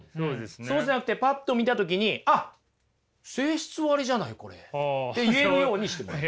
そうじゃなくてパッと見た時に「あっ性質割じゃないこれ」って言えるようにしてもらう。